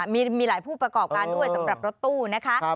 มีหลายผู้ประกอบการด้วยสำหรับรถตู้นะคะ